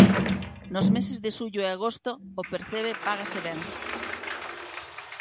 Nos meses de xullo e agosto o percebe págase ben.